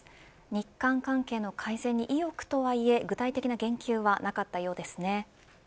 日韓関係の改善に意欲とはいえ具体的な言及はなかったようですね。